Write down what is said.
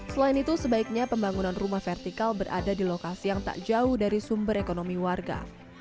selain itu sebaiknya pembangunan rumah vertikal berada di lokasi yang tak jauh dari sumber ekonomi warga